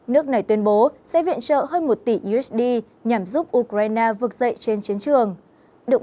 nước này tuyên bố sẽ viện trợ hơn một tỷ usd nhằm giúp ukraine vực dậy trên chiến trường